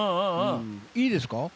いいですか？